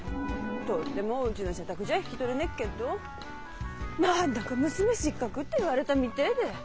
とてもうちの社宅じゃ引き取れねっけっど何だか娘失格て言われたみてえで。